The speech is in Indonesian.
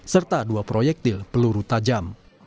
serta dua proyektil peluru tajam